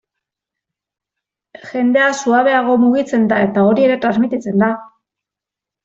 Jendea suabeago mugitzen da eta hori ere transmititzen da.